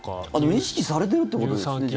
意識されてるってことですね。